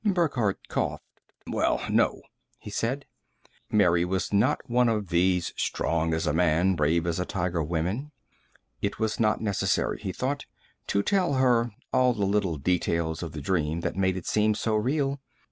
Burckhardt coughed. "Well, no," he said. Mary was not one of these strong as a man, brave as a tiger women. It was not necessary, he thought, to tell her all the little details of the dream that made it seem so real.